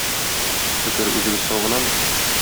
Шөкер, үзегез сау гынамы?